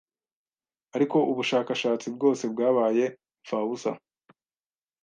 Ariko ubushakashatsi bwosebwabaye impfabusa